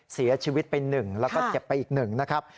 เสียชีวิตไป๑แล้วก็เจ็บไปอีก๑นะครับ